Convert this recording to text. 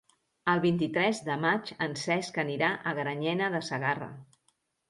El vint-i-tres de maig en Cesc anirà a Granyena de Segarra.